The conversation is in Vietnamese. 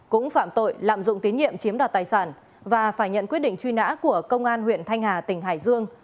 cũng phạm tội lạm dụng tín nhiệm chiếm đoạt tài sản và phải nhận quyết định trí nã của công an tp chí linh tỉnh hải dương